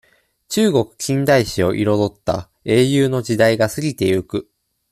中国近代史をいろどった、英雄の時代が過ぎてゆく。